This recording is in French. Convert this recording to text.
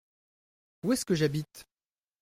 Où est-ce que j’habite ?